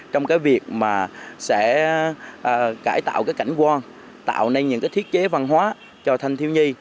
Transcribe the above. trong việc cải tạo cảnh quan tạo nên những thiết chế văn hóa cho thanh thiếu nhi